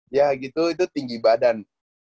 ya gitu itu tinggi badan